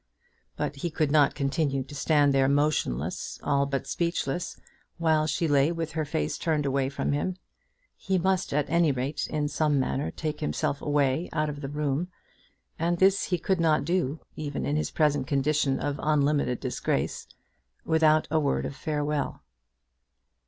But he could not continue to stand there motionless, all but speechless, while she lay with her face turned away from him. He must at any rate in some manner take himself away out of the room; and this he could not do, even in his present condition of unlimited disgrace, without a word of farewell.